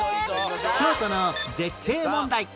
京都の絶景問題